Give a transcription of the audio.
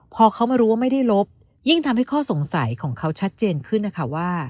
พอเขามารู้ว่าไม่ได้ลบยิ่งทำให้ข้อสงสัยของเขาชัดเจนขึ้นนะคะว่า